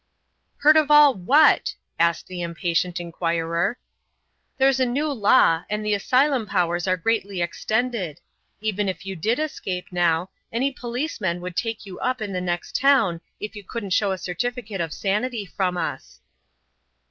"Heard of all what?" asked the impatient inquirer. "There's a new law now, and the asylum powers are greatly extended. Even if you did escape now, any policeman would take you up in the next town if you couldn't show a certificate of sanity from us."